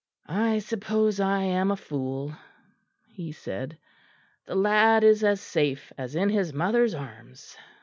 "I suppose I am a fool," he said; "the lad is as safe as in his mother's arms."